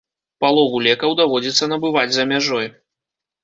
Палову лекаў даводзіцца набываць за мяжой.